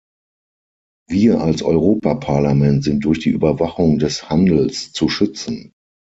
Wir als Europaparlament sind durch die Überwachung des Handels zu schützen.